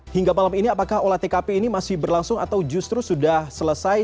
hingga malam ini apakah olah tkp ini masih berlangsung atau justru sudah selesai